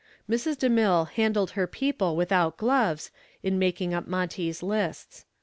Mrs. DeMille handled her people without gloves in making up Monty's lists.